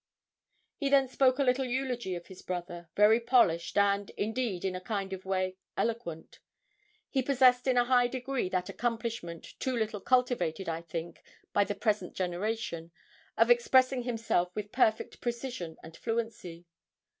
He then spoke a little eulogy of his brother, very polished, and, indeed, in a kind of way, eloquent. He possessed in a high degree that accomplishment, too little cultivated, I think, by the present generation, of expressing himself with perfect precision and fluency.